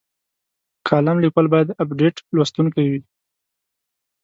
کالم لیکوال باید ابډیټ لوستونکی وي.